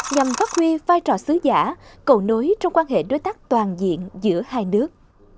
nhằm phát huy vai trò xứ giả cầu nối trong quan hệ đối tác toàn diện giữa hai nước